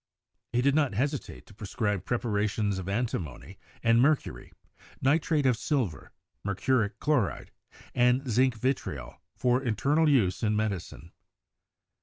He did not hesitate to prescribe preparations of antimony and mercury, nitrate of silver, mercuric chloride, and zinc vitriol for internal use in medicine.